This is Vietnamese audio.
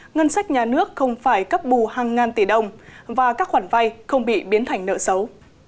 ngân sách nhà nước không phải cấp bù hàng ngàn tỷ đồng và các khoản vay không bị biến thành nợ xấu